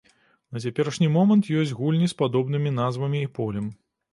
На цяперашні момант ёсць гульні з падобнымі назвамі і полем.